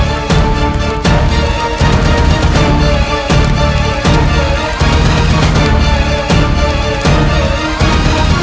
aku akan mengembalikan kembali